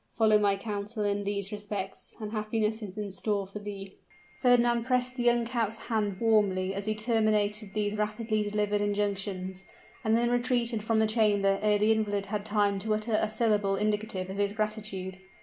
Follow my counsel in all these respects and happiness is in store for thee!" Fernand pressed the young count's hand warmly as he terminated these rapidly delivered injunctions, and then retreated from the chamber ere the invalid had time to utter a syllable indicative of his gratitude.